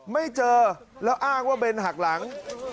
ไม่เจอแล้วอ้างว่าเบนหักหลัง